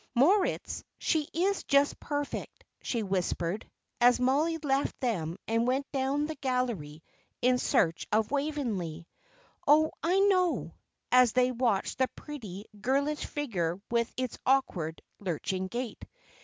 "Moritz, she is just perfect," she whispered, as Mollie left them and went down the gallery, in search of Waveney. "Oh, I know," as they watched the pretty, girlish figure with its awkward, lurching gait.